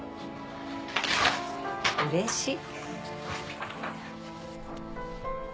うれしい。